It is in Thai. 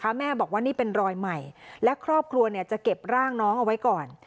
แม่บอกว่านี่เป็นรอยใหม่และครอบครัวจะเก็บร่างน้องเอาไว้ก่อน